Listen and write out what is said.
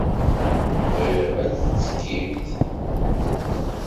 Bɣiɣ ad tettekkimt.